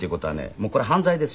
もうこれ犯罪ですよ。